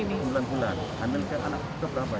sembilan sembilan ambil ke berapa